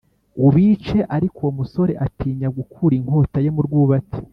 ubice Ariko uwo musore atinya gukura inkota ye mu rwubati